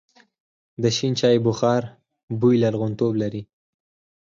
د شین چای بخار بوی لرغونتوب لري.